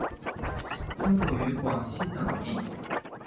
分布于广西等地。